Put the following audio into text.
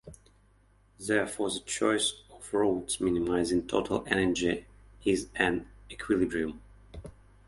Therefore, the choice of routes minimizing total energy is an equilibrium.